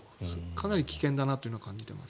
かなり危険だなと感じています。